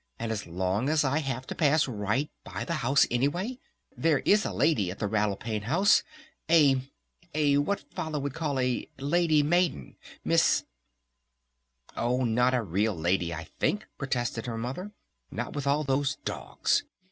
And as long as I have to pass right by the house anyway? There is a lady at the Rattle Pane House! A A what Father would call a Lady Maiden! Miss " "Oh not a real lady, I think," protested her Mother. "Not with all those dogs.